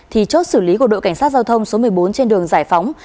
thì chốt xử lý của đội cảnh sát giao thông số một mươi bốn trên đường giải phóng